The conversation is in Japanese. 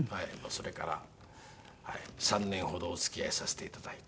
それから３年ほどお付き合いさせていただいて。